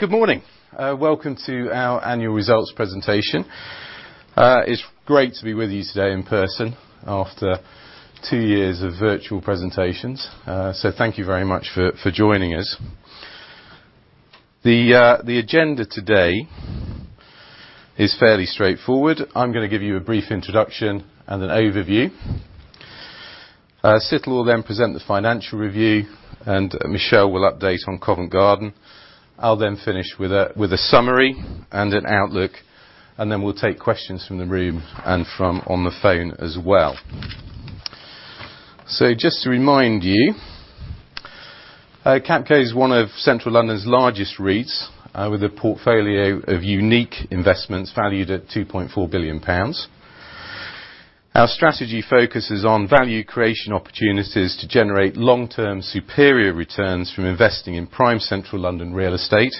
Good morning. Welcome to our annual results presentation. It's great to be with you today in person after two years of virtual presentations. Thank you very much for joining us. The agenda today is fairly straightforward. I'm gonna give you a brief introduction and an overview. Sid will then present the financial review, and Michelle will update on Covent Garden. I'll then finish with a summary and an outlook, and then we'll take questions from the room and from on the phone as well. Just to remind you, Capital is one of Central London's largest REITs, with a portfolio of unique investments valued at 2.4 billion pounds. Our strategy focuses on value creation opportunities to generate long-term superior returns from investing in prime Central London real estate.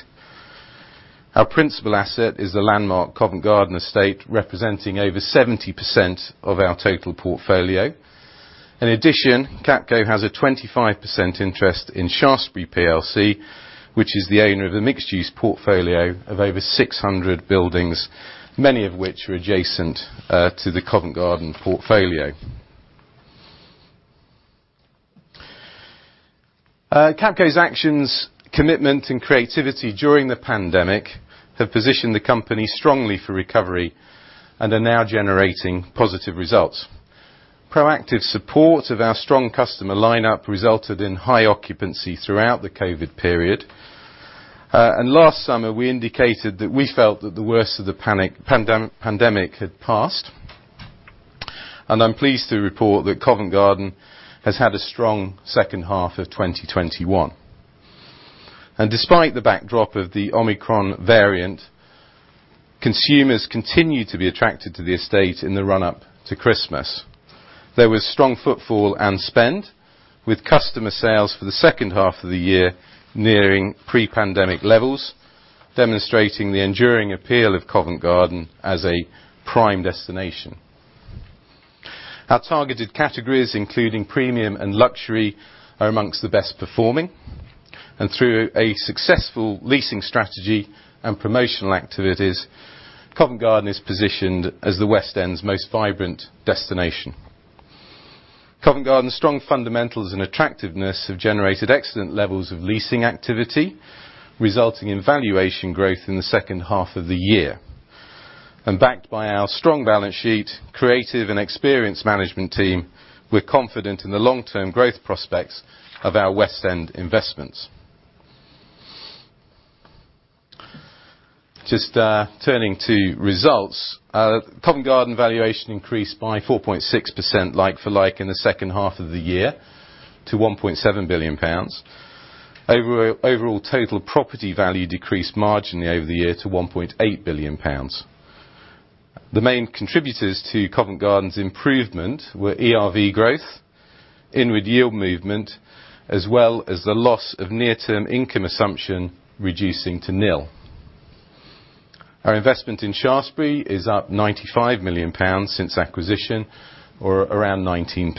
Our principal asset is the landmark Covent Garden estate, representing over 70% of our total portfolio. In addition, Capco has a 25% interest in Shaftesbury PLC, which is the owner of the mixed-use portfolio of over 600 buildings, many of which are adjacent to the Covent Garden portfolio. Capco's actions, commitment, and creativity during the pandemic have positioned the company strongly for recovery and are now generating positive results. Proactive support of our strong customer line-up resulted in high occupancy throughout the COVID period. Last summer, we indicated that we felt that the worst of the pandemic had passed. I'm pleased to report that Covent Garden has had a strong second half of 2021. Despite the backdrop of the Omicron variant, consumers continued to be attracted to the estate in the run-up to Christmas. There was strong footfall and spend, with customer sales for the second half of the year nearing pre-pandemic levels, demonstrating the enduring appeal of Covent Garden as a prime destination. Our targeted categories, including premium and luxury, are among the best performing, and through a successful leasing strategy and promotional activities, Covent Garden is positioned as the West End's most vibrant destination. Covent Garden's strong fundamentals and attractiveness have generated excellent levels of leasing activity, resulting in valuation growth in the second half of the year. Backed by our strong balance sheet, creative and experienced management team, we're confident in the long-term growth prospects of our West End investments. Just turning to results. Covent Garden valuation increased by 4.6% like for like in the second half of the year to 1.7 billion pounds. Overall total property value decreased marginally over the year to 1.8 billion pounds. The main contributors to Covent Garden's improvement were ERV growth, inward yield movement, as well as the loss of near-term income assumption reducing to nil. Our investment in Shaftesbury is up 95 million pounds since acquisition, or around 19%.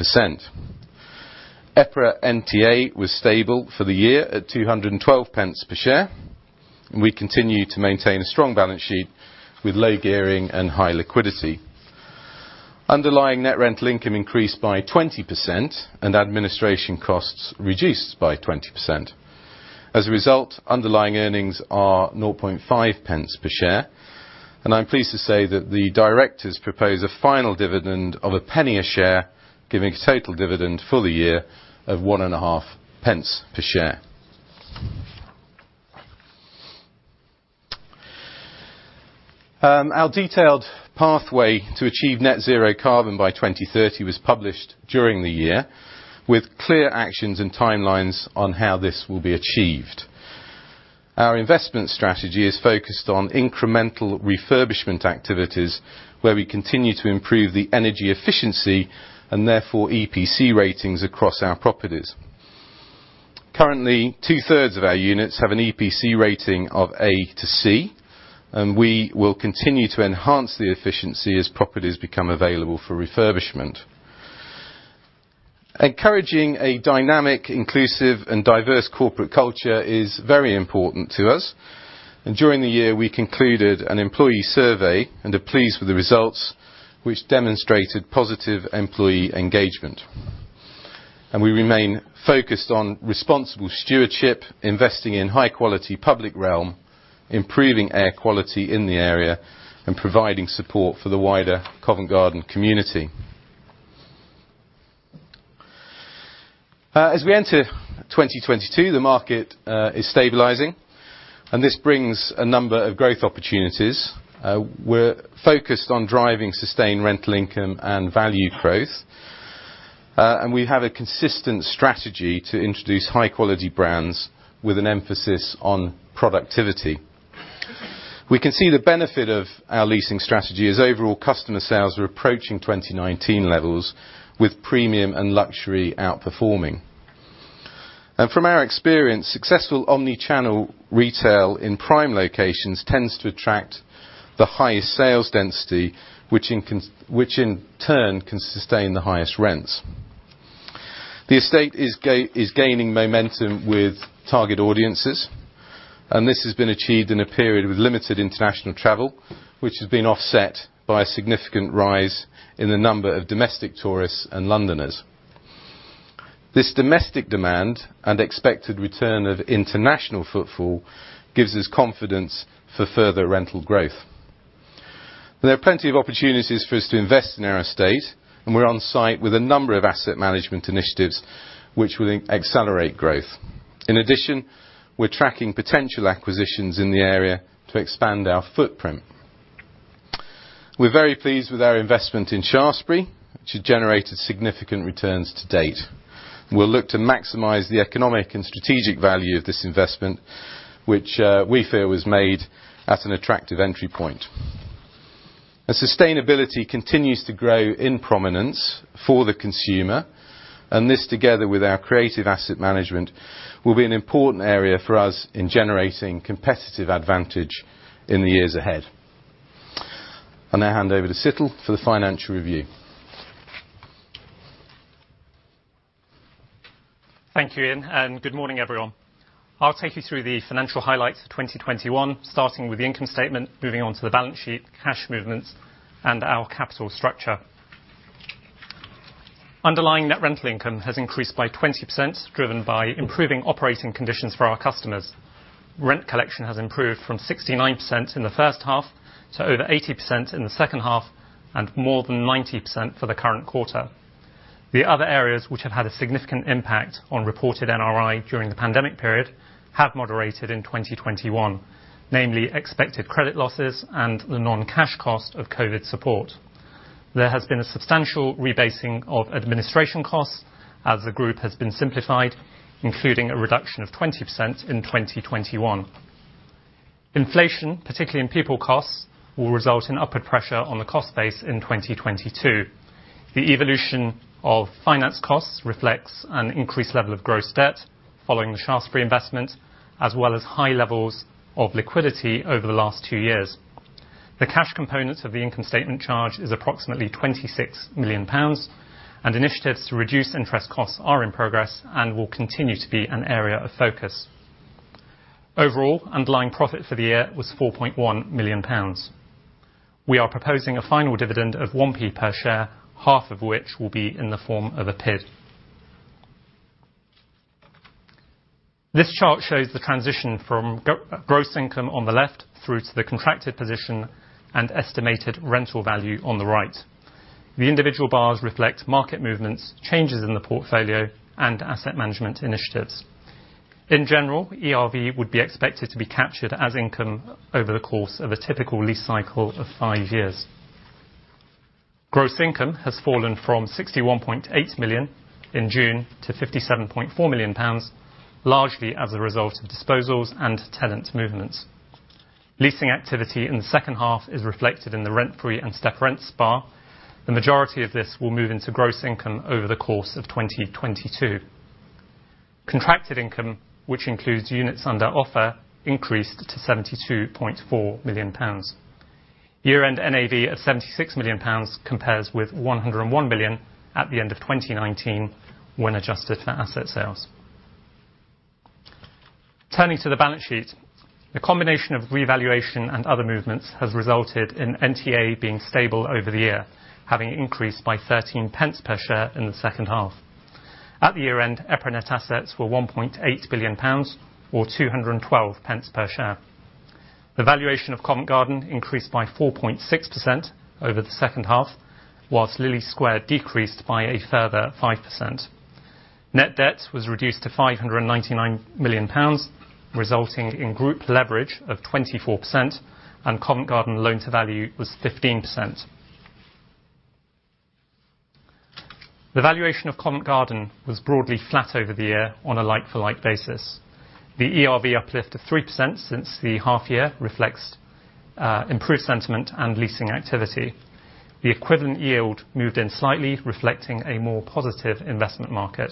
EPRA NTA was stable for the year at 212 pence per share, and we continue to maintain a strong balance sheet with low gearing and high liquidity. Underlying net rental income increased by 20% and administration costs reduced by 20%. As a result, underlying earnings are 0.5 pence per share, and I'm pleased to say that the directors propose a final dividend of 1 penny a share, giving a total dividend for the year of 1.5 pence per share. Our detailed pathway to achieve net zero carbon by 2030 was published during the year, with clear actions and timelines on how this will be achieved. Our investment strategy is focused on incremental refurbishment activities, where we continue to improve the energy efficiency and therefore EPC ratings across our properties. Currently, two-thirds of our units have an EPC rating of A to C, and we will continue to enhance the efficiency as properties become available for refurbishment. Encouraging a dynamic, inclusive, and diverse corporate culture is very important to us, and during the year, we concluded an employee survey and are pleased with the results which demonstrated positive employee engagement. We remain focused on responsible stewardship, investing in high-quality public realm, improving air quality in the area, and providing support for the wider Covent Garden community. As we enter 2022, the market is stabilizing, and this brings a number of growth opportunities. We're focused on driving sustained rental income and value growth, and we have a consistent strategy to introduce high-quality brands with an emphasis on productivity. We can see the benefit of our leasing strategy as overall customer sales are approaching 2019 levels with premium and luxury outperforming. From our experience, successful omnichannel retail in prime locations tends to attract the highest sales density, which in turn can sustain the highest rents. The estate is gaining momentum with target audiences, and this has been achieved in a period with limited international travel, which has been offset by a significant rise in the number of domestic tourists and Londoners. This domestic demand and expected return of international footfall gives us confidence for further rental growth. There are plenty of opportunities for us to invest in our estate, and we're on site with a number of asset management initiatives which will accelerate growth. In addition, we're tracking potential acquisitions in the area to expand our footprint. We're very pleased with our investment in Shaftesbury, which has generated significant returns to date. We'll look to maximize the economic and strategic value of this investment, which we feel was made at an attractive entry point. As sustainability continues to grow in prominence for the consumer, and this together with our creative asset management, will be an important area for us in generating competitive advantage in the years ahead. I'll now hand over to Situl for the financial review. Thank you, Ian, and good morning, everyone. I'll take you through the financial highlights of 2021, starting with the income statement, moving on to the balance sheet, cash movements, and our capital structure. Underlying net rental income has increased by 20%, driven by improving operating conditions for our customers. Rent collection has improved from 69% in the first half to over 80% in the second half and more than 90% for the current quarter. The other areas which have had a significant impact on reported NRI during the pandemic period have moderated in 2021, namely expected credit losses and the non-cash cost of COVID support. There has been a substantial rebasing of administration costs as the group has been simplified, including a reduction of 20% in 2021. Inflation, particularly in people costs, will result in upward pressure on the cost base in 2022. The evolution of finance costs reflects an increased level of gross debt following the Shaftesbury investment, as well as high levels of liquidity over the last two years. The cash components of the income statement charge is approximately 26 million pounds, and initiatives to reduce interest costs are in progress and will continue to be an area of focus. Overall, underlying profit for the year was 4.1 million pounds. We are proposing a final dividend of 1p per share, half of which will be in the form of a PID. This chart shows the transition from gross income on the left through to the contracted position and estimated rental value on the right. The individual bars reflect market movements, changes in the portfolio, and asset management initiatives. In general, ERV would be expected to be captured as income over the course of a typical lease cycle of five years. Gross income has fallen from 61.8 million in June to 57.4 million pounds, largely as a result of disposals and tenant movements. Leasing activity in the second half is reflected in the rent free and step rents bar. The majority of this will move into gross income over the course of 2022. Contracted income, which includes units under offer, increased to GBP 72.4 million. Year-end NAV of GBP 76 million compares with GBP 101 million at the end of 2019 when adjusted for asset sales. Turning to the balance sheet, the combination of revaluation and other movements has resulted in NTA being stable over the year, having increased by 13 pence per share in the second half. At the year-end, EPRA net assets were GBP 1.8 billion or 212 pence per share. The valuation of Covent Garden increased by 4.6% over the second half, while Lillie Square decreased by a further 5%. Net debt was reduced to 599 million pounds, resulting in group leverage of 24%, and Covent Garden loan to value was 15%. The valuation of Covent Garden was broadly flat over the year on a like-for-like basis. The ERV uplift of 3% since the half year reflects improved sentiment and leasing activity. The equivalent yield moved in slightly, reflecting a more positive investment market.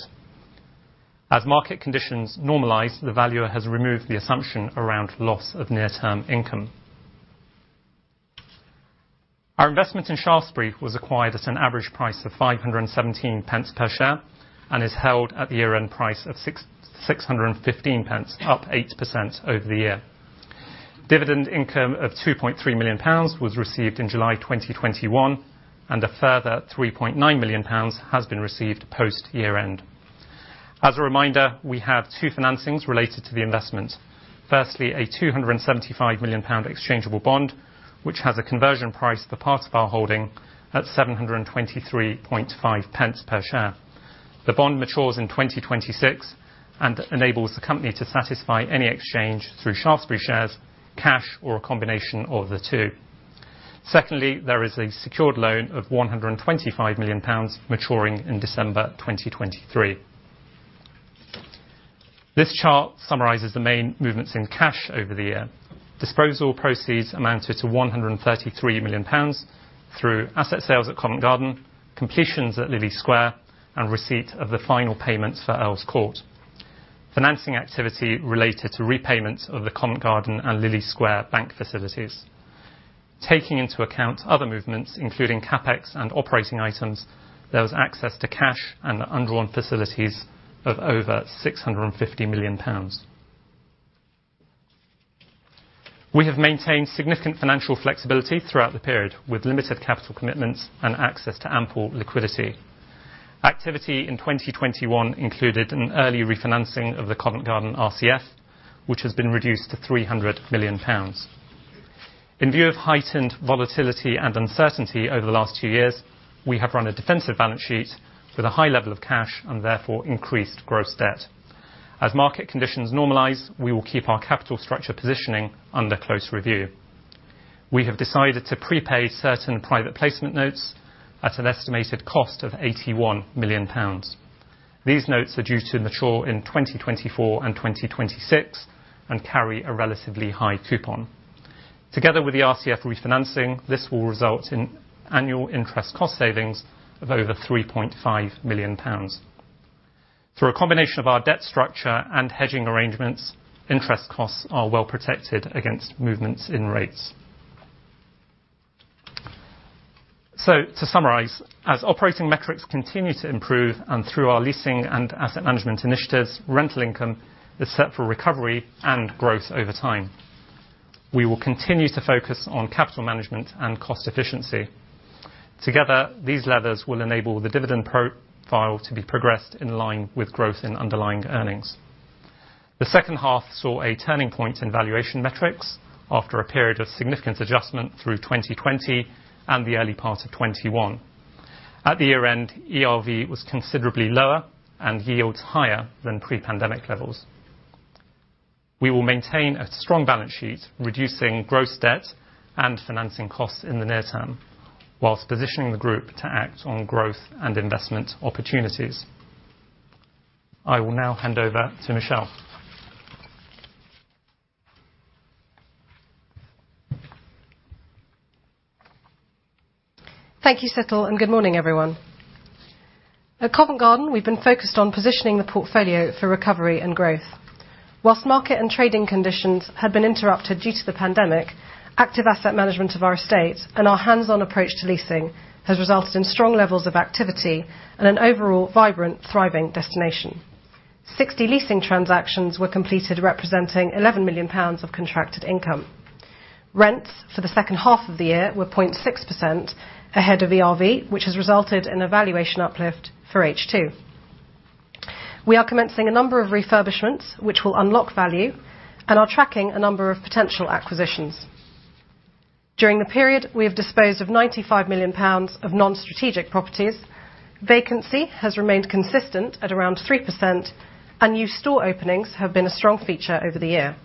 As market conditions normalize, the valuer has removed the assumption around loss of near-term income. Our investment in Shaftesbury was acquired at an average price of 517 pence per share and is held at the year-end price of 615 pence, up 8% over the year. Dividend income of 2.3 million pounds was received in July 2021, and a further 3.9 million pounds has been received post year-end. As a reminder, we have two financings related to the investment. Firstly, a 275 million pound exchangeable bond, which has a conversion price for parts of our holding at 723.5 pence per share. The bond matures in 2026 and enables the company to satisfy any exchange through Shaftesbury shares, cash, or a combination of the two. Secondly, there is a secured loan of 125 million pounds maturing in December 2023. This chart summarizes the main movements in cash over the year. Disposal proceeds amounted to 133 million pounds through asset sales at Covent Garden, completions at Lillie Square, and receipt of the final payments for Earls Court. Financing activity related to repayments of the Covent Garden and Lillie Square bank facilities. Taking into account other movements, including CapEx and operating items, there was access to cash and undrawn facilities of over GBP 650 million. We have maintained significant financial flexibility throughout the period, with limited capital commitments and access to ample liquidity. Activity in 2021 included an early refinancing of the Covent Garden RCF which has been reduced to 300 million pounds. In view of heightened volatility and uncertainty over the last two years, we have run a defensive balance sheet with a high level of cash and therefore increased gross debt. As market conditions normalize, we will keep our capital structure positioning under close review. We have decided to prepay certain private placement notes at an estimated cost of 81 million pounds. These notes are due to mature in 2024 and 2026 and carry a relatively high coupon. Together with the RCF refinancing, this will result in annual interest cost savings of over 3.5 million pounds. Through a combination of our debt structure and hedging arrangements, interest costs are well protected against movements in rates. To summarize, as operating metrics continue to improve and through our leasing and asset management initiatives, rental income is set for recovery and growth over time. We will continue to focus on capital management and cost efficiency. Together, these levers will enable the dividend profile to be progressed in line with growth in underlying earnings. The second half saw a turning point in valuation metrics after a period of significant adjustment through 2020 and the early part of 2021. At the year-end, ERV was considerably lower and yields higher than pre-pandemic levels. We will maintain a strong balance sheet, reducing gross debt and financing costs in the near term whilst positioning the group to act on growth and investment opportunities. I will now hand over to Michelle. Thank you, Situl, and good morning, everyone. At Covent Garden, we've been focused on positioning the portfolio for recovery and growth. While market and trading conditions have been interrupted due to the pandemic, active asset management of our estate and our hands-on approach to leasing has resulted in strong levels of activity and an overall vibrant, thriving destination. 60 leasing transactions were completed representing 11 million pounds of contracted income. Rents for the second half of the year were 0.6% ahead of ERV, which has resulted in a valuation uplift for H2. We are commencing a number of refurbishments which will unlock value and are tracking a number of potential acquisitions. During the period, we have disposed of 95 million pounds of non-strategic properties. Vacancy has remained consistent at around 3%, and new store openings have been a strong feature over the year.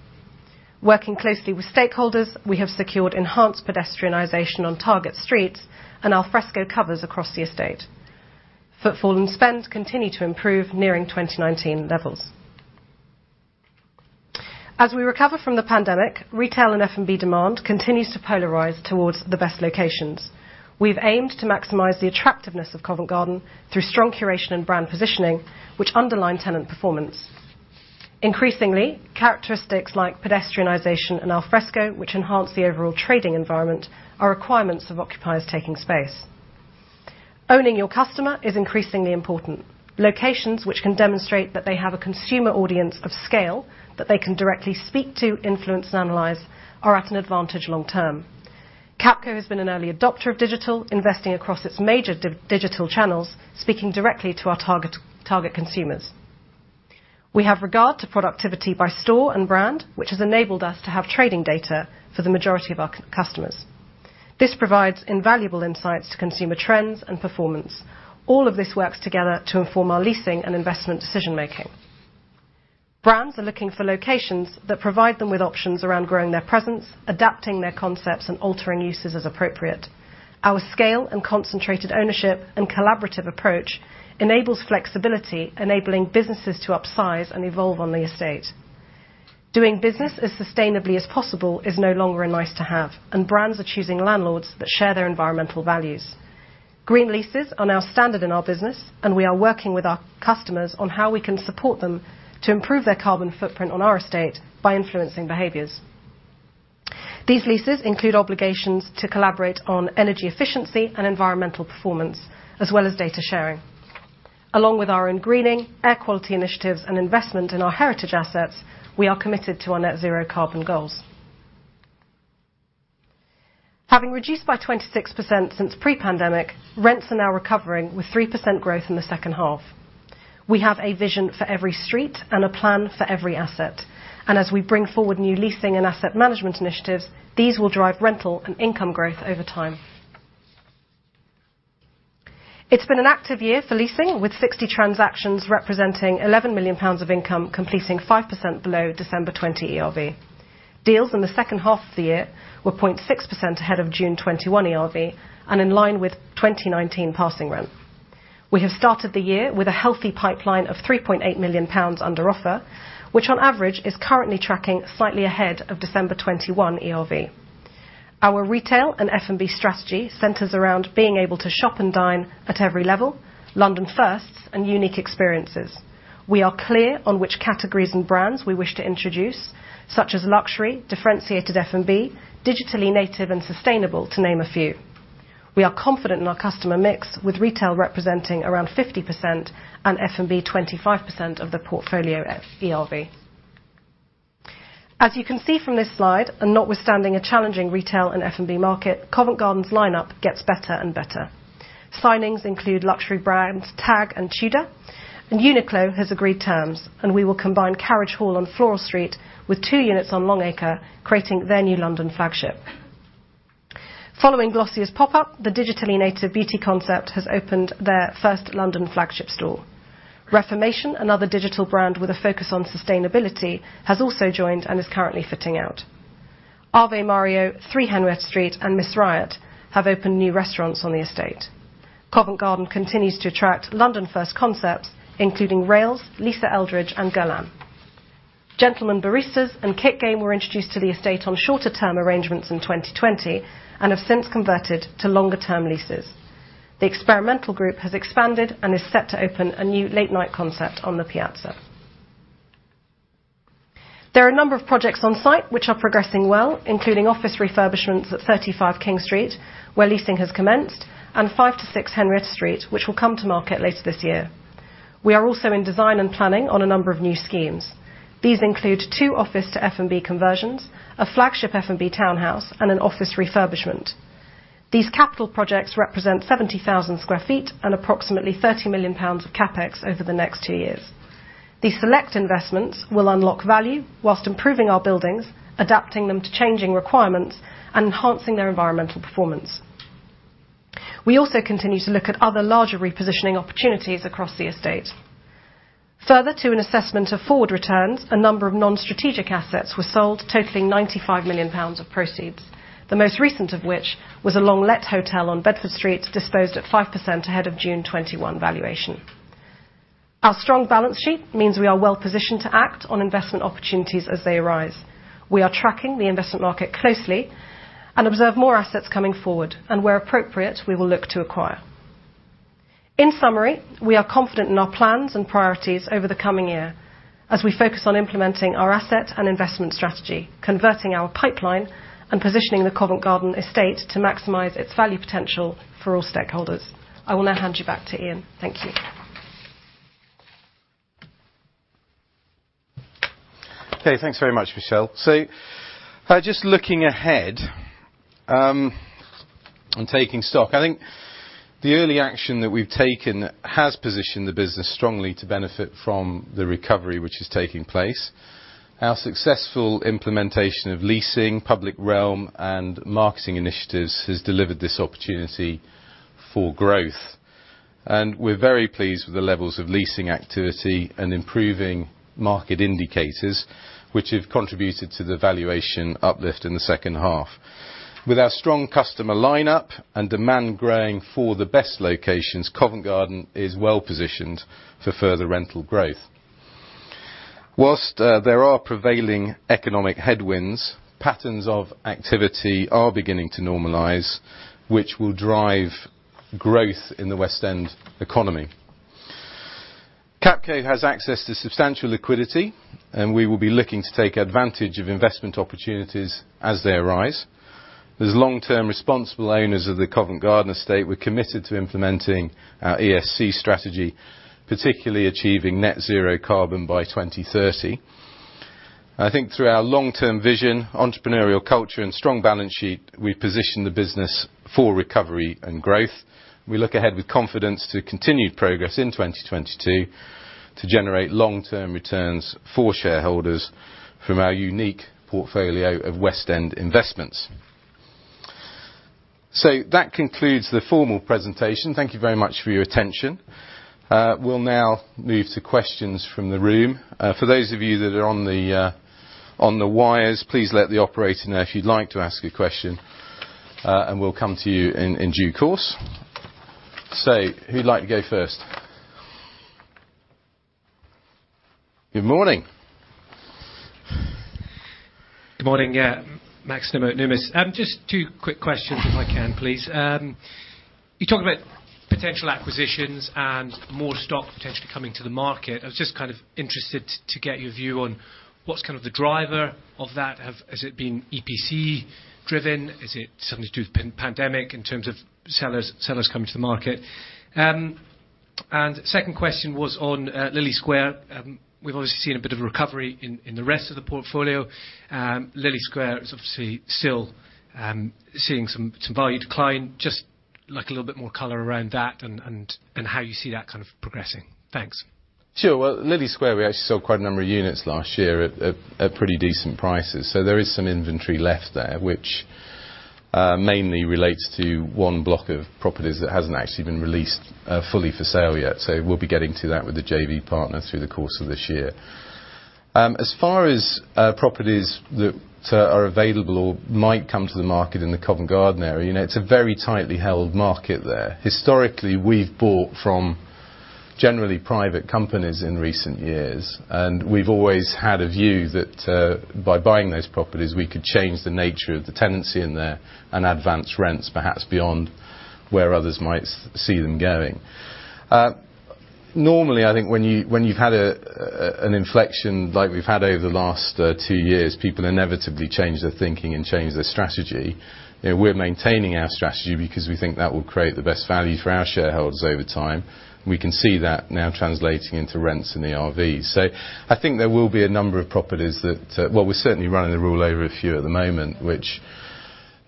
Working closely with stakeholders, we have secured enhanced pedestrianization on target streets and al fresco covers across the estate. Footfall and spend continue to improve, nearing 2019 levels. As we recover from the pandemic, retail and F&B demand continues to polarize towards the best locations. We've aimed to maximize the attractiveness of Covent Garden through strong curation and brand positioning, which underline tenant performance. Increasingly, characteristics like pedestrianization and al fresco, which enhance the overall trading environment, are requirements of occupiers taking space. Owning your customer is increasingly important. Locations which can demonstrate that they have a consumer audience of scale that they can directly speak to, influence, and analyze are at an advantage long term. Capco has been an early adopter of digital, investing across its major digital channels, speaking directly to our target consumers. We have regard to productivity by store and brand, which has enabled us to have trading data for the majority of our customers. This provides invaluable insights to consumer trends and performance. All of this works together to inform our leasing and investment decision-making. Brands are looking for locations that provide them with options around growing their presence, adapting their concepts, and altering uses as appropriate. Our scale and concentrated ownership and collaborative approach enables flexibility, enabling businesses to upsize and evolve on the estate. Doing business as sustainably as possible is no longer a nice to have, and brands are choosing landlords that share their environmental values. Green leases are now standard in our business, and we are working with our customers on how we can support them to improve their carbon footprint on our estate by influencing behaviors. These leases include obligations to collaborate on energy efficiency and environmental performance, as well as data sharing. Along with our own greening, air quality initiatives, and investment in our heritage assets, we are committed to our net zero carbon goals. Having reduced by 26% since pre-pandemic, rents are now recovering with 3% growth in the second half. We have a vision for every street and a plan for every asset, and as we bring forward new leasing and asset management initiatives, these will drive rental and income growth over time. It's been an active year for leasing, with 60 transactions representing 11 million pounds of income, completing 5% below December 2020 ERV. Deals in the second half of the year were 0.6% ahead of June 2021 ERV and in line with 2019 passing rent. We have started the year with a healthy pipeline of 3.8 million pounds under offer, which on average is currently tracking slightly ahead of December 2021 ERV. Our retail and F&B strategy centers around being able to shop and dine at every level, London firsts, and unique experiences. We are clear on which categories and brands we wish to introduce, such as luxury, differentiated F&B, digitally native and sustainable, to name a few. We are confident in our customer mix, with retail representing around 50% and F&B 25% of the portfolio at ERV. As you can see from this slide, and notwithstanding a challenging retail and F&B market, Covent Garden's lineup gets better and better. Signings include luxury brands TAG and Tudor, and Uniqlo has agreed terms, and we will combine Carriage Hall on Floral Street with two units on Long Acre, creating their new London flagship. Following Glossier's pop-up, the digitally native beauty concept has opened their first London flagship store. Reformation, another digital brand with a focus on sustainability, has also joined and is currently fitting out. Ave Mario, 3 Henrietta Street, and Mrs Riot have opened new restaurants on the estate. Covent Garden continues to attract London-first concepts, including Rails, Lisa Eldridge, and Ghlam. The Gentlemen Baristas and Kick Game were introduced to the estate on shorter term arrangements in 2020 and have since converted to longer-term leases. Experimental Group has expanded and is set to open a new late-night concept on The Piazza. There are a number of projects on site which are progressing well, including office refurbishments at 35 King Street, where leasing has commenced, and 5 to 6 Henrietta Street, which will come to market later this year. We are also in design and planning on a number of new schemes. These include two office to F&B conversions, a flagship F&B townhouse, and an office refurbishment. These capital projects represent 70,000 sq ft and approximately 30 million pounds of CapEx over the next two years. These select investments will unlock value while improving our buildings, adapting them to changing requirements, and enhancing their environmental performance. We also continue to look at other larger repositioning opportunities across the estate. Further to an assessment of forward returns, a number of non-strategic assets were sold, totaling 95 million pounds of proceeds, the most recent of which was a long-let hotel on Bedford Street, disposed at 5% ahead of June 2021 valuation. Our strong balance sheet means we are well positioned to act on investment opportunities as they arise. We are tracking the investment market closely and observe more assets coming forward, and where appropriate, we will look to acquire. In summary, we are confident in our plans and priorities over the coming year as we focus on implementing our asset and investment strategy, converting our pipeline and positioning the Covent Garden estate to maximize its value potential for all stakeholders. I will now hand you back to Ian. Thank you. Okay, thanks very much, Michelle. Just looking ahead and taking stock, I think the early action that we've taken has positioned the business strongly to benefit from the recovery which is taking place. Our successful implementation of leasing, public realm, and marketing initiatives has delivered this opportunity for growth, and we're very pleased with the levels of leasing activity and improving market indicators, which have contributed to the valuation uplift in the second half. With our strong customer line up and demand growing for the best locations, Covent Garden is well-positioned for further rental growth. While there are prevailing economic headwinds, patterns of activity are beginning to normalize, which will drive growth in the West End economy. Capco has access to substantial liquidity, and we will be looking to take advantage of investment opportunities as they arise. As long-term responsible owners of the Covent Garden estate, we're committed to implementing our ESG strategy, particularly achieving net zero carbon by 2030. I think through our long-term vision, entrepreneurial culture, and strong balance sheet, we position the business for recovery and growth. We look ahead with confidence to continued progress in 2022 to generate long-term returns for shareholders from our unique portfolio of West End investments. That concludes the formal presentation. Thank you very much for your attention. We'll now move to questions from the room. For those of you that are on the wires, please let the operator know if you'd like to ask a question, and we'll come to you in due course. Who'd like to go first? Good morning. Good morning. Yeah. Max Nimmo, Numis. Just two quick questions if I can, please. You talk about potential acquisitions and more stock potentially coming to the market. I was just kind of interested to get your view on what's kind of the driver of that. Has it been EPC-driven? Is it something to do with post-pandemic in terms of sellers coming to the market? Second question was on Lillie Square. We've obviously seen a bit of a recovery in the rest of the portfolio. Lillie Square is obviously still seeing some value decline. Just like a little bit more color around that and how you see that kind of progressing. Thanks. Sure. Well, Lillie Square, we actually sold quite a number of units last year at pretty decent prices. There is some inventory left there which mainly relates to one block of properties that hasn't actually been released fully for sale yet. We'll be getting to that with the JV partner through the course of this year. As far as properties that are available or might come to the market in the Covent Garden area, you know, it's a very tightly held market there. Historically, we've bought from generally private companies in recent years, and we've always had a view that by buying those properties, we could change the nature of the tenancy in there and advance rents, perhaps beyond where others might see them going. Normally, I think when you've had an inflection like we've had over the last two years, people inevitably change their thinking and change their strategy. You know, we're maintaining our strategy because we think that will create the best value for our shareholders over time. We can see that now translating into rents and ERVs. I think there will be a number of properties that, well, we're certainly running the rule over a few at the moment, which,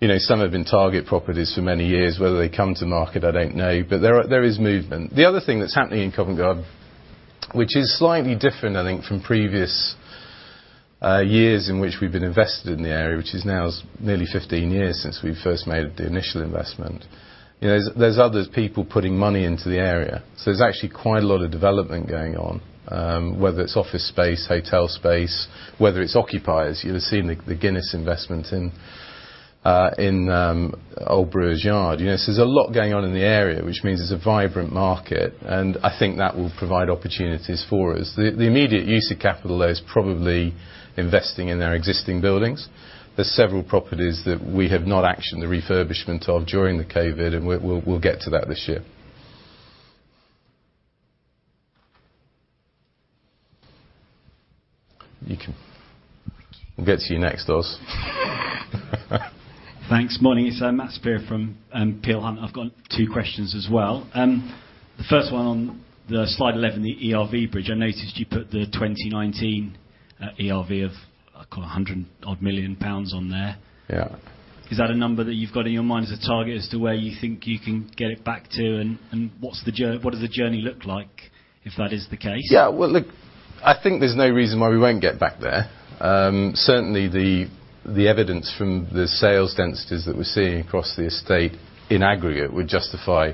you know, some have been target properties for many years. Whether they come to market, I don't know. There is movement. The other thing that's happening in Covent Garden, which is slightly different, I think, from previous years in which we've been invested in the area, which is now nearly 15 years since we first made the initial investment. You know, there are other people putting money into the area, so there's actually quite a lot of development going on. Whether it's office space, hotel space, whether it's occupiers. You'll have seen the Guinness investment in Old Brewers' Yard. You know, so there's a lot going on in the area, which means it's a vibrant market, and I think that will provide opportunities for us. The immediate use of capital, though, is probably investing in our existing buildings. There are several properties that we have not actioned the refurbishment of during the COVID, and we'll get to that this year. We'll get to you next, Oz. Thanks. Morning. It's Matthew Saperia from Peel Hunt. I've got two questions as well. The first one on slide 11, the ERV bridge, I noticed you put the 2019 ERV of like 100 and odd million on there. Yeah. Is that a number that you've got in your mind as a target as to where you think you can get it back to, and what does the journey look like, if that is the case? Yeah. Well, look, I think there's no reason why we won't get back there. Certainly the evidence from the sales densities that we're seeing across the estate in aggregate would justify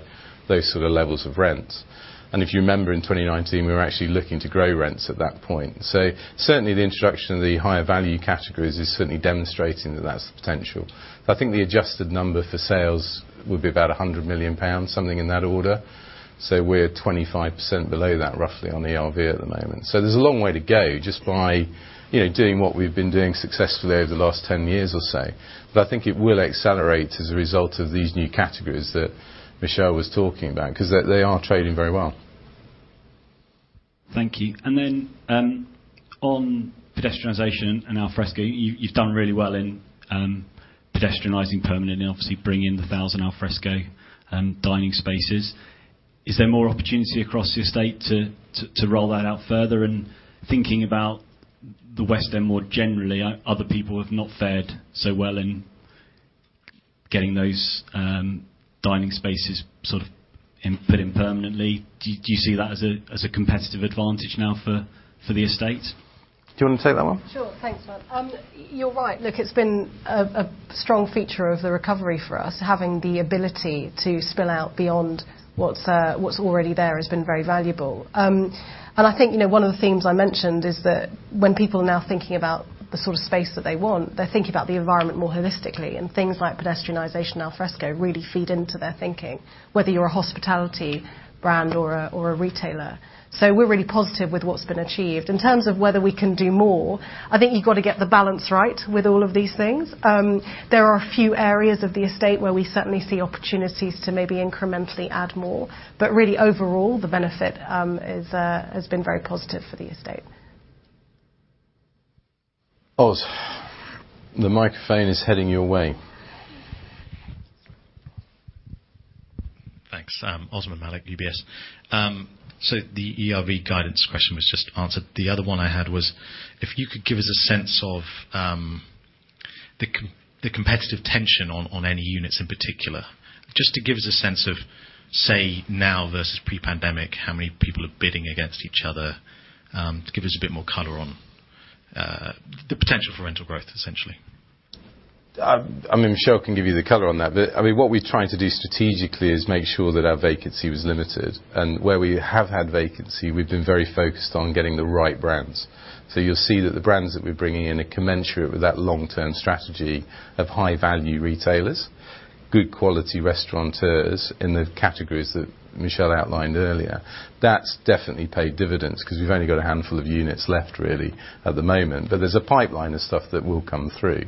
those sort of levels of rents. If you remember in 2019, we were actually looking to grow rents at that point. Certainly the introduction of the higher value categories is certainly demonstrating that that's the potential. I think the adjusted number for sales would be about 100 million pounds, something in that order. We're 25% below that, roughly, on ERV at the moment. There's a long way to go just by, you know, doing what we've been doing successfully over the last 10 years or so. I think it will accelerate as a result of these new categories that Michelle was talking about, 'cause they are trading very well. Thank you. On pedestrianization and al fresco, you've done really well in pedestrianizing permanently, obviously bringing in the 1,000 al fresco dining spaces. Is there more opportunity across the estate to roll that out further? Thinking about the West End more generally, other people have not fared so well in getting those dining spaces sort of in, put in permanently. Do you see that as a competitive advantage now for the estate? Do you wanna take that one? Sure. Thanks, Matt. You're right. Look, it's been a strong feature of the recovery for us, having the ability to spill out beyond what's already there has been very valuable. I think, you know, one of the themes I mentioned is that when people are now thinking about the sort of space that they want, they're thinking about the environment more holistically, and things like pedestrianization and al fresco really feed into their thinking, whether you're a hospitality brand or a retailer. We're really positive with what's been achieved. In terms of whether we can do more, I think you've got to get the balance right with all of these things. There are a few areas of the estate where we certainly see opportunities to maybe incrementally add more, but really overall, the benefit has been very positive for the estate. Os, the microphone is heading your way. Thanks. Osman Malik, UBS. The ERV guidance question was just answered. The other one I had was if you could give us a sense of the competitive tension on any units in particular, just to give us a sense of, say, now versus pre-pandemic, how many people are bidding against each other, to give us a bit more color on the potential for rental growth, essentially. I mean, Michelle can give you the color on that. I mean, what we're trying to do strategically is make sure that our vacancy was limited. Where we have had vacancy, we've been very focused on getting the right brands. You'll see that the brands that we're bringing in are commensurate with that long-term strategy of high-value retailers, good quality restaurateurs in the categories that Michelle outlined earlier. That's definitely paid dividends, because we've only got a handful of units left really at the moment. There's a pipeline of stuff that will come through.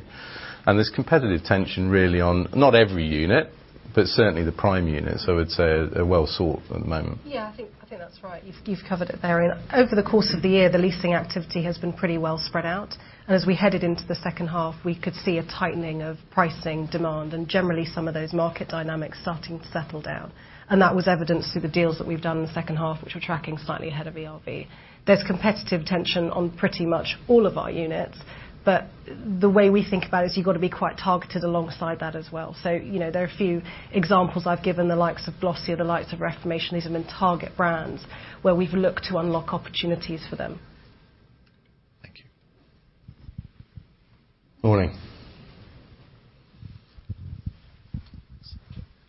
There's competitive tension really on, not every unit, but certainly the prime units. I'd say they're well sought at the moment. Yeah. I think that's right. You've covered it there. Over the course of the year, the leasing activity has been pretty well spread out. As we headed into the second half, we could see a tightening of pricing demand, and generally some of those market dynamics starting to settle down. That was evidenced through the deals that we've done in the second half, which we're tracking slightly ahead of ERV. There's competitive tension on pretty much all of our units, but the way we think about it is you've got to be quite targeted alongside that as well. You know, there are a few examples I've given, the likes of Glossier, the likes of Reformation. These have been target brands where we've looked to unlock opportunities for them. Thank you. Morning.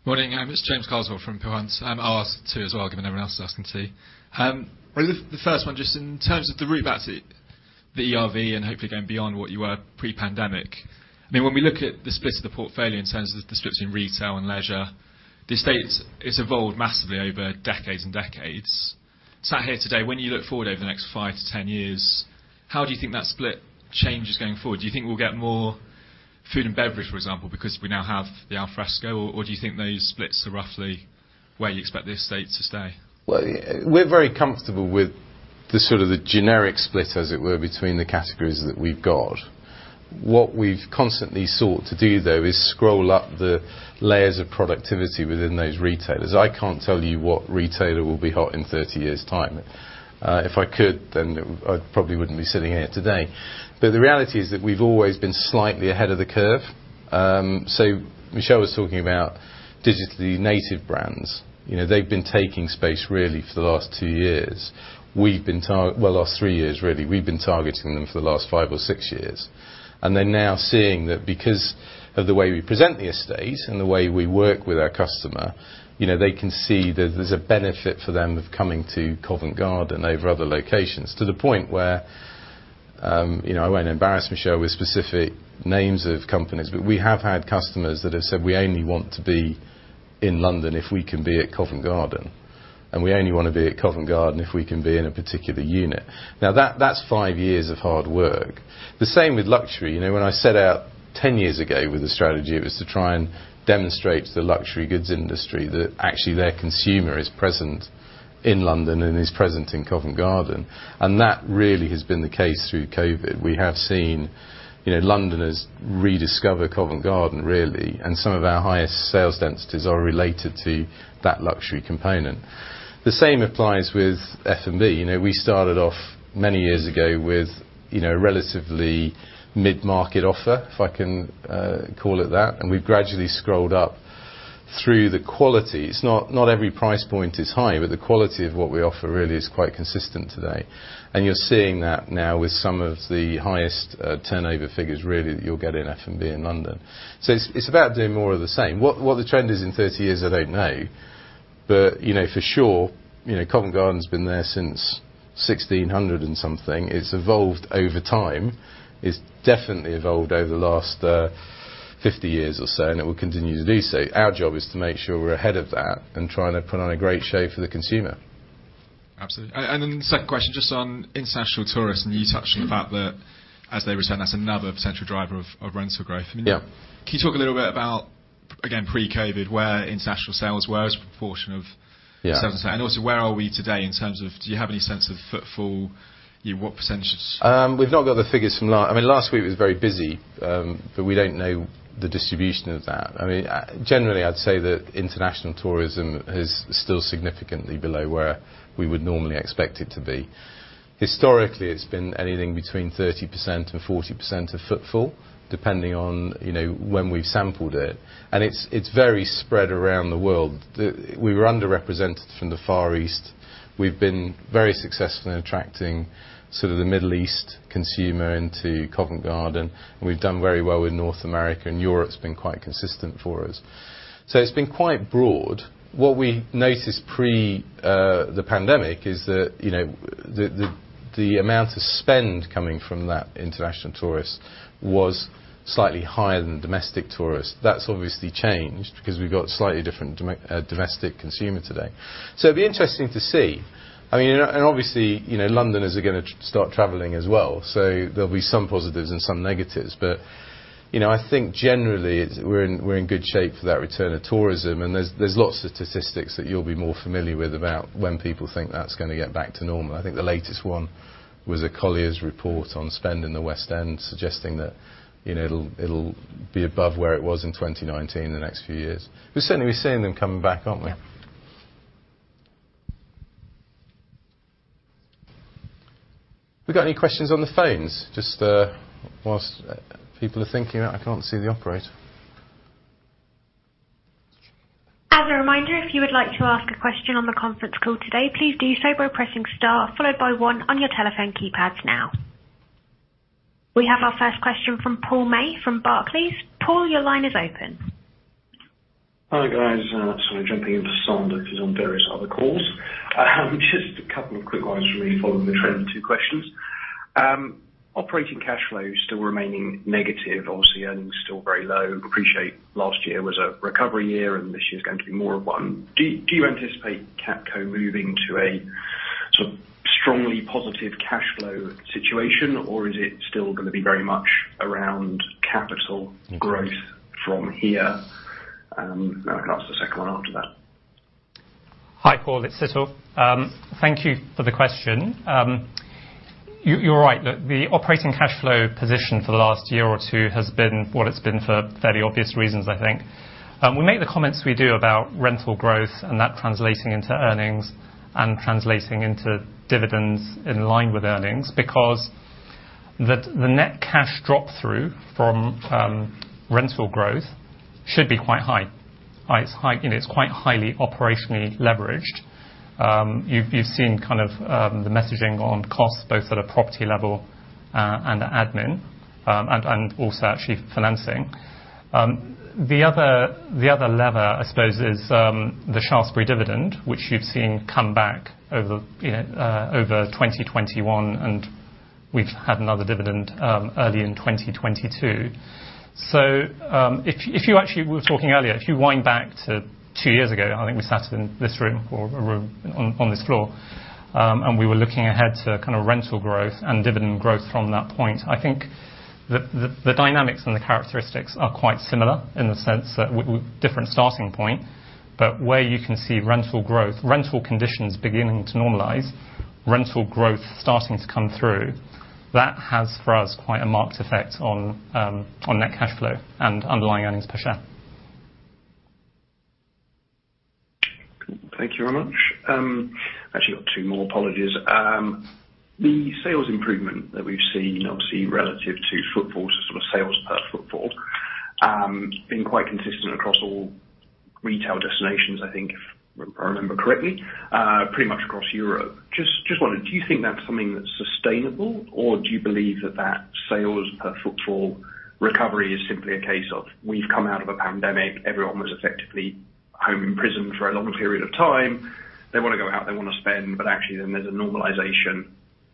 Morning. It's James Carswell from Peel Hunt. I'll ask two as well, given everyone else is asking two. The first one, just in terms of the route back to the ERV and hopefully going beyond what you were pre-pandemic, I mean, when we look at the split of the portfolio in terms of the split in retail and leisure, the estate has evolved massively over decades and decades. Sitting here today, when you look forward over the next five to 10 years, how do you think that split changes going forward? Do you think we'll get more food and beverage, for example, because we now have the al fresco, or do you think those splits are roughly where you expect the estate to stay? Well, we're very comfortable with the sort of generic split, as it were, between the categories that we've got. What we've constantly sought to do, though, is scale up the layers of productivity within those retailers. I can't tell you what retailer will be hot in 30 years' time. If I could, then I probably wouldn't be sitting here today. The reality is that we've always been slightly ahead of the curve. So Michelle was talking about digitally native brands. You know, they've been taking space really for the last two years. Last three years, really. We've been targeting them for the last five or six years. They're now seeing that because of the way we present the estate and the way we work with our customer, you know, they can see that there's a benefit for them of coming to Covent Garden over other locations, to the point where, you know, I won't embarrass Michelle with specific names of companies, but we have had customers that have said, "We only want to be in London if we can be at Covent Garden, and we only want to be at Covent Garden if we can be in a particular unit." Now, that's five years of hard work. The same with luxury. You know, when I set out ten years ago with the strategy, it was to try and demonstrate to the luxury goods industry that actually their consumer is present in London and is present in Covent Garden, and that really has been the case through COVID. We have seen, you know, Londoners rediscover Covent Garden, really, and some of our highest sales densities are related to that luxury component. The same applies with F&B. You know, we started off many years ago with, you know, relatively mid-market offer, if I can call it that, and we've gradually scrolled up through the quality. It's not every price point is high, but the quality of what we offer really is quite consistent today, and you're seeing that now with some of the highest turnover figures really that you'll get in F&B in London. It's about doing more of the same. What the trend is in 30 years, I don't know. You know, for sure, you know, Covent Garden's been there since 1600 and something. It's evolved over time. It's definitely evolved over the last 50 years or so, and it will continue to do so. Our job is to make sure we're ahead of that and trying to put on a great show for the consumer. Absolutely. Second question, just on international tourists, and you touched on the fact that as they return, that's another potential driver of rental growth. Yeah. Can you talk a little bit about, again, pre-COVID, where international sales were as a proportion of sales? And also, where are we today in terms of, do you have any sense of footfall? You know, what percentage? We've not got the figures from last week. I mean, last week was very busy, but we don't know the distribution of that. I mean, generally, I'd say that international tourism is still significantly below where we would normally expect it to be. Historically, it's been anything between 30% and 40% of footfall, depending on, you know, when we've sampled it, and it's very spread around the world. We were underrepresented from the Far East. We've been very successful in attracting sort of the Middle East consumer into Covent Garden, and we've done very well with North America, and Europe's been quite consistent for us. So it's been quite broad. What we noticed pre the pandemic is that, you know, the amount of spend coming from that international tourist was slightly higher than domestic tourist. That's obviously changed because we've got slightly different domestic consumer today. It'll be interesting to see. I mean, obviously, you know, Londoners are gonna start traveling as well, so there'll be some positives and some negatives. You know, I think generally we're in good shape for that return of tourism, and there's lots of statistics that you'll be more familiar with about when people think that's gonna get back to normal. I think the latest one was a Colliers report on spend in the West End suggesting that, you know, it'll be above where it was in 2019 in the next few years. We're certainly seeing them coming back, aren't we? We got any questions on the phones? Just, whilst people are thinking. I can't see the operator. As a reminder, if you would like to ask a question on the conference call today, please do so by pressing star followed by one on your telephone keypads now. We have our first question from Paul May from Barclays. Paul, your line is open. Hi, guys. Sorry, jumping in for Sandra, who's on various other calls. Just a couple of quick ones from me following the trend of two questions. Operating cash flow still remaining negative. Obviously, earnings still very low. Appreciate last year was a recovery year, and this year's going to be more of one. Do you anticipate Capco moving to a sort of strongly positive cash flow situation, or is it still gonna be very much around capital growth from here? And then I can ask the second one after that. Hi, Paul. It's Situl. Thank you for the question. You're right. The operating cash flow position for the last year or two has been what it's been for very obvious reasons, I think. We make the comments we do about rental growth and that translating into earnings and translating into dividends in line with earnings because the net cash drop-through from rental growth should be quite high. It's high, it's quite highly operationally leveraged. You've seen kind of the messaging on costs, both at a property level and admin and also actually financing. The other lever I suppose is the Shaftesbury dividend, which you've seen come back over, you know, over 2021, and we've had another dividend early in 2022. We were talking earlier, if you wind back to two years ago, I think we sat in this room or a room on this floor, and we were looking ahead to kind of rental growth and dividend growth from that point. I think the dynamics and the characteristics are quite similar in the sense that with different starting point, but where you can see rental growth, rental conditions beginning to normalize, rental growth starting to come through, that has for us quite a marked effect on net cash flow and underlying earnings per share. Thank you very much. Actually, two more, apologies. The sales improvement that we've seen obviously relative to footfall, sort of sales per footfall, has been quite consistent across all retail destinations, I think, if I remember correctly, pretty much across Europe. Just wondering, do you think that's something that's sustainable, or do you believe that sales per footfall recovery is simply a case of we've come out of a pandemic, everyone was effectively home imprisoned for a long period of time, they wanna go out, they wanna spend, but actually then there's a normalization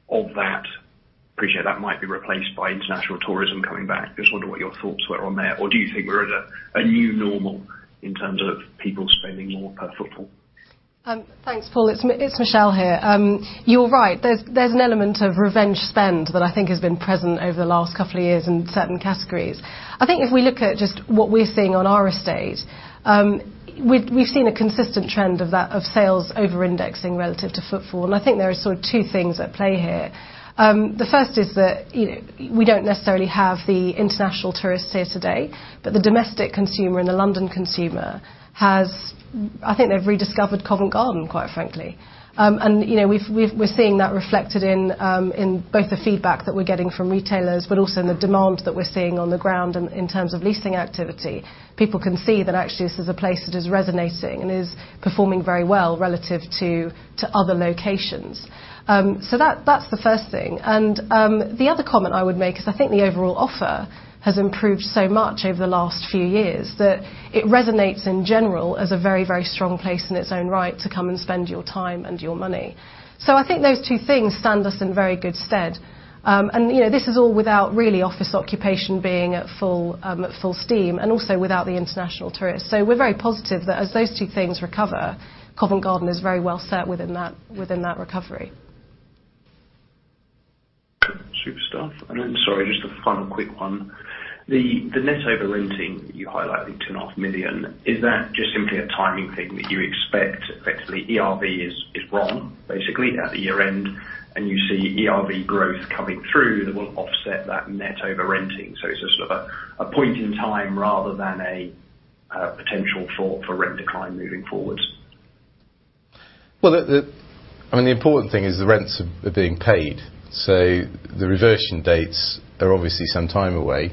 of that? I appreciate that might be replaced by international tourism coming back. Just wondering what your thoughts were on there, or do you think we're at a new normal in terms of people spending more per footfall? Thanks, Paul. It's Michelle here. You're right. There's an element of revenge spend that I think has been present over the last couple of years in certain categories. I think if we look at just what we're seeing on our estate, we've seen a consistent trend of that, of sales over-indexing relative to footfall. I think there are sort of two things at play here. The first is that, you know, we don't necessarily have the international tourists here today, but the domestic consumer and the London consumer has, I think they've rediscovered Covent Garden, quite frankly. You know, we're seeing that reflected in both the feedback that we're getting from retailers, but also in the demand that we're seeing on the ground in terms of leasing activity. People can see that actually this is a place that is resonating and is performing very well relative to other locations. That's the first thing. The other comment I would make is I think the overall offer has improved so much over the last few years that it resonates in general as a very, very strong place in its own right to come and spend your time and your money. I think those two things stand us in very good stead. You know, this is all without really office occupation being at full steam and also without the international tourists. We're very positive that as those two things recover, Covent Garden is very well set within that recovery. Super stuff. Then, sorry, just a final quick one. The net over renting you highlight the 2.5 million, is that just simply a timing thing that you expect, effectively ERV is wrong, basically at the year-end, and you see ERV growth coming through that will offset that net over renting? It's a sort of a point in time rather than a potential thought for rent decline moving forward. Well, I mean, the important thing is the rents are being paid, so the reversion dates are obviously some time away.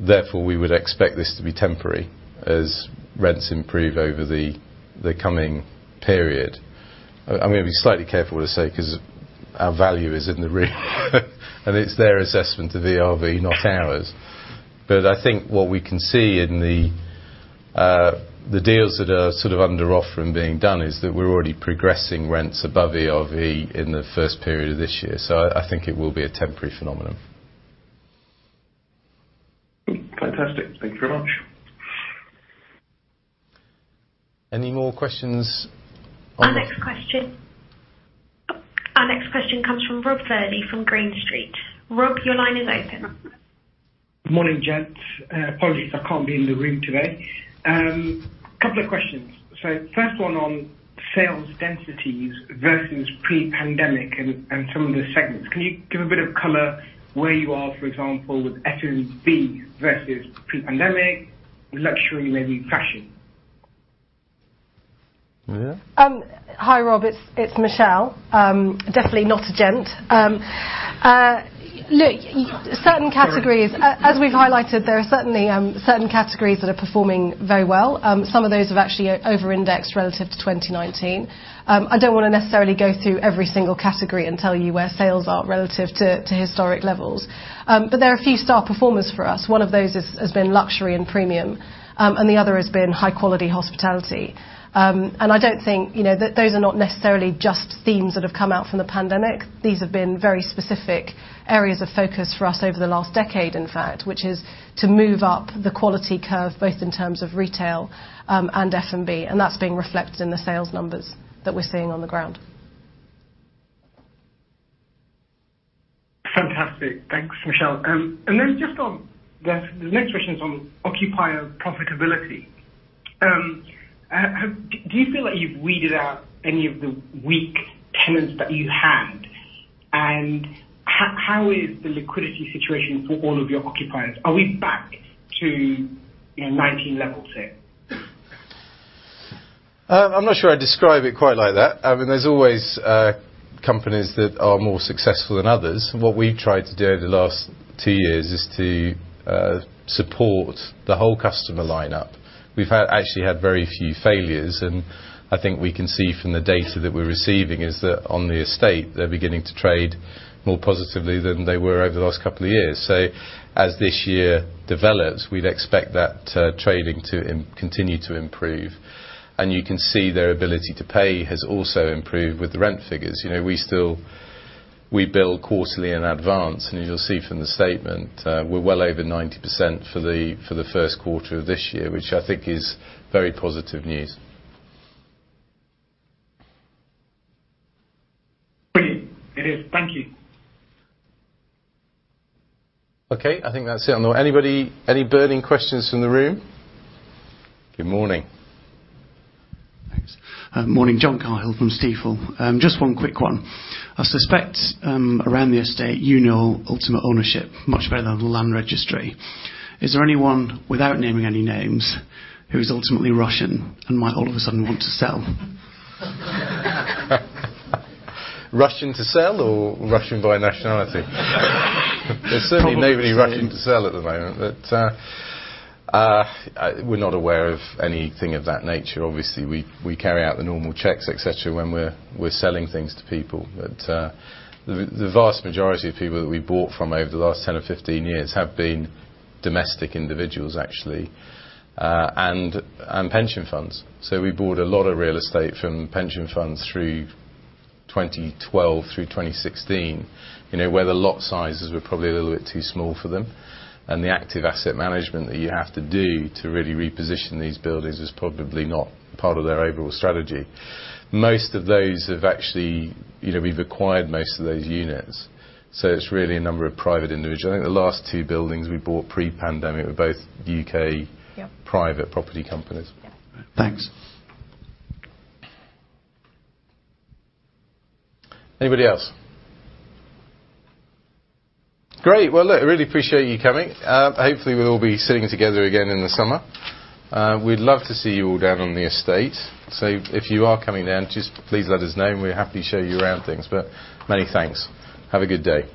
Therefore, we would expect this to be temporary as rents improve over the coming period. I'm gonna be slightly careful to say because our value is in the roof and it's their assessment of ERV, not ours. I think what we can see in the deals that are sort of under offer and being done is that we're already progressing rents above ERV in the first period of this year. I think it will be a temporary phenomenon. Fantastic. Thank you very much. Any more questions? Our next question comes from Rob Jones from Green Street. Rob, your line is open. Good morning, gents. Apologies I can't be in the room today. Couple of questions. First one on sales densities versus pre-pandemic and some of the segments. Can you give a bit of color where you are, for example, with F&B versus pre-pandemic, luxury, maybe fashion? Michelle? Hi, Rob. It's Michelle. Definitely not a gent. Look, certain categories. As we've highlighted, there are certainly certain categories that are performing very well. Some of those have actually over-indexed relative to 2019. I don't wanna necessarily go through every single category and tell you where sales are relative to historic levels. But there are a few star performers for us. One of those has been luxury and premium, and the other has been high-quality hospitality. I don't think, you know, that those are not necessarily just themes that have come out from the pandemic. These have been very specific areas of focus for us over the last decade, in fact, which is to move up the quality curve, both in terms of retail, and F&B, and that's being reflected in the sales numbers that we're seeing on the ground. Fantastic. Thanks, Michelle. Just on the next question is on occupier profitability. Do you feel like you've weeded out any of the weak tenants that you had? How is the liquidity situation for all of your occupiers? Are we back to, you know, 19 levels here? I'm not sure I'd describe it quite like that. I mean, there's always companies that are more successful than others. What we tried to do over the last two years is to support the whole customer line-up. We've had actually very few failures, and I think we can see from the data that we're receiving is that on the estate, they're beginning to trade more positively than they were over the last couple of years. As this year develops, we'd expect that trading to continue to improve. You can see their ability to pay has also improved with the rent figures. You know, we still bill quarterly in advance, and as you'll see from the statement, we're well over 90% for the first quarter of this year, which I think is very positive news. Brilliant. It is. Thank you. Okay, I think that's it. Anybody, any burning questions from the room? Good morning. Thanks. Morning, John Cahill from Stifel. Just one quick one. I suspect, around the estate, you know ultimate ownership much better than the land registry. Is there anyone, without naming any names, who is ultimately Russian and might all of a sudden want to sell? Russian to sell or Russian by nationality? There's certainly nobody Russian to sell at the moment. We're not aware of anything of that nature. Obviously, we carry out the normal checks, etc., when we're selling things to people. The vast majority of people that we bought from over the last 10 or 15 years have been domestic individuals, actually, and pension funds. We bought a lot of real estate from pension funds through 2012 through 2016, you know, where the lot sizes were probably a little bit too small for them, and the active asset management that you have to do to really reposition these buildings is probably not part of their overall strategy. Most of those have actually, you know, we've acquired most of those units, so it's really a number of private individuals. I think the last two buildings we bought pre-pandemic were both UK private property companies. Thanks. Anybody else? Great. Well, look, I really appreciate you coming. Hopefully, we'll all be sitting together again in the summer. We'd love to see you all down on the estate. If you are coming down, just please let us know and we're happy to show you around things. Many thanks. Have a good day.